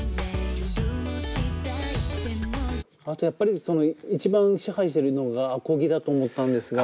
あとやっぱり一番支配してるのがアコギだと思ったんですが。